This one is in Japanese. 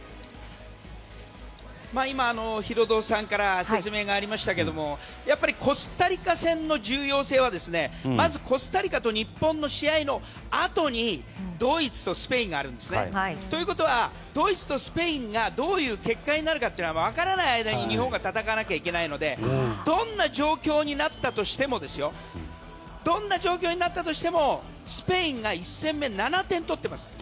今、ヒロドさんから説明がありましたけどもコスタリカ戦の重要性はまずコスタリカと日本の試合のあとにドイツとスペインがあるんですね。ということはドイツとスペインがどういう結果になるかが分からない間に日本が戦わなきゃいけないのでどんな状況になったとしてもスペインが１戦目、７点取っています。